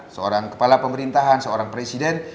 seorang kepala pemerintahan seorang presiden